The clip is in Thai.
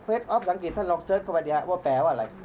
ออฟสังเกตท่านลองเสิร์ชเข้าไปดีครับว่าแปลว่าอะไร